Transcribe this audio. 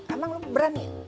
emang lo berani